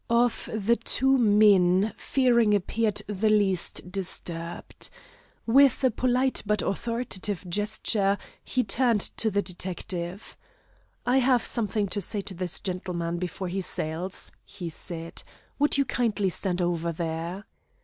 Of the two men, Fearing appeared the least disturbed. With a polite but authoritative gesture he turned to the detective. "I have something to say to this gentleman before he sails," he said; "would you kindly stand over there?"